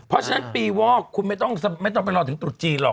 เพราะฉะนั้นปีวอกคุณไม่ต้องไปรอถึงตรุษจีนหรอก